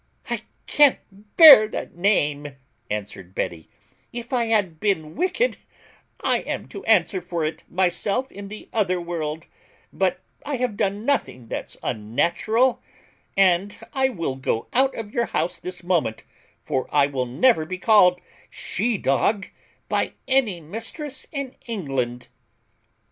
"I can't bear that name," answered Betty: "if I have been wicked, I am to answer for it myself in the other world; but I have done nothing that's unnatural; and I will go out of your house this moment, for I will never be called she dog by any mistress in England."